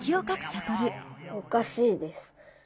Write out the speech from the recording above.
おかしいです。